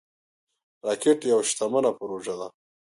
راکټ یوه شتمنه پروژه ده